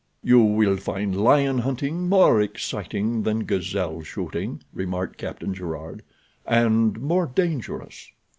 "You will find lion hunting more exciting than gazelle shooting," remarked Captain Gerard, "and more dangerous."